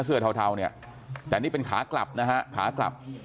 เสื้อเทาเนี่ยแต่นี่เป็นขากลับนะฮะขากลับ